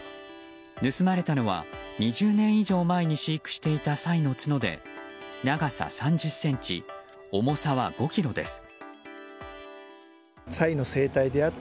盗まれたのは、２０年以上前に飼育していたサイの角で長さ３０ｃｍ、重さは５ｋｇです。